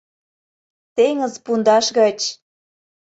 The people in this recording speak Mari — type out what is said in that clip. — «Теҥыз пундаш гыч»...